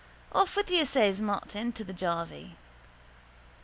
—Off with you, says Martin to the jarvey.